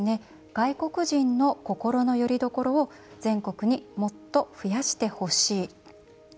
「外国人の心のよりどころを全国にもっと増やしてほしい」